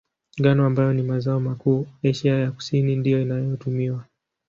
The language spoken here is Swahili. Ngano, ambayo ni mazao makuu Asia ya Kusini, ndiyo inayotumiwa.